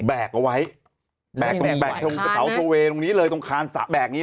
แบกตรงเผาโอเวย์ตรงนี้เลยตรงคานสระแบกนี้